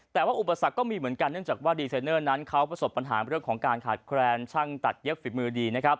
แต่ว่าอุปสรรคก็มีเหมือนกันเนื่องจากว่าดีไซเนอร์นั้นเขาประสบปัญหาเรื่องของการขาดแคลนช่างตัดเย็บฝีมือดีนะครับ